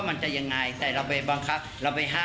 มันจะต้องเปลี่ยนไปเยอะ